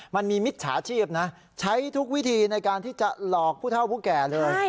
มิจฉาชีพนะใช้ทุกวิธีในการที่จะหลอกผู้เท่าผู้แก่เลย